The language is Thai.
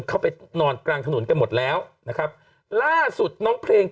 เข้าไปนอนกลางถนนกันหมดแล้วนะครับล่าสุดน้องเพลง